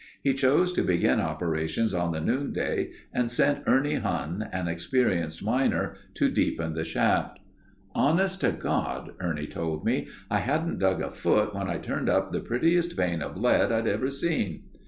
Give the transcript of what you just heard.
He chose to begin operations on the Noonday and sent Ernie Huhn, an experienced miner to deepen the shaft. "Honest to God," Ernie told me, "I hadn't dug a foot when I turned up the prettiest vein of lead I'd ever seen."